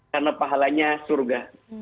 karena pahalanya surga